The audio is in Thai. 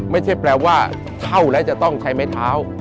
ไม่ใช่แปลว่าเข้าแล้วจะต้องใช้ไม้เท้า